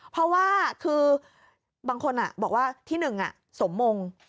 เพราะว่าคือบางคนบอกว่าที่๑สมมง